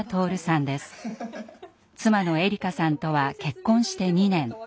妻のえりかさんとは結婚して２年。